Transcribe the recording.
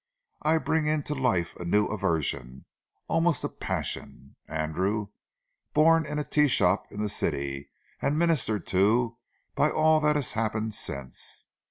I bring into life a new aversion, almost a passion, Andrew, born in a tea shop in the city, and ministered to by all that has happened since.